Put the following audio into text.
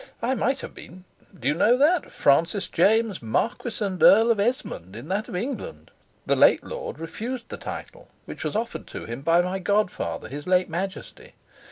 I might have been (do you know that?) Francis James Marquis and Earl of Esmond in that of England. The late lord refused the title which was offered to him by my godfather, his late Majesty.